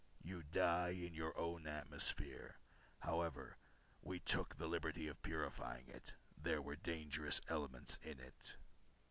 You die in your own atmosphere. However, we took the liberty of purifying it. There were dangerous elements in it."